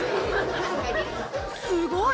すごい！